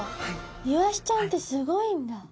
イワシちゃんってすごいんだ。